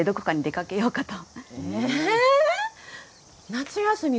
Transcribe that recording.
夏休み